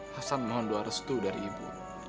hasan mohon doa restu dari ibu